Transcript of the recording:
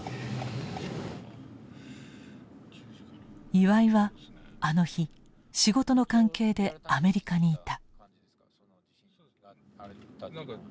岩井はあの日仕事の関係でアメリカにいた。